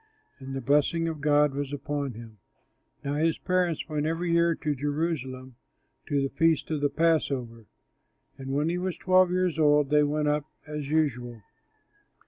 And the blessing of God was upon him. Now his parents went every year to Jerusalem to the Feast of the Passover, and when he was twelve years old they went up as usual.